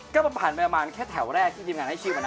ก็ผ่านไปประมาณแค่แถวแรกที่ทีมงานให้ชื่อมานะ